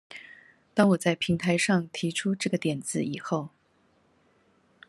當我在平台上提出這個點子以後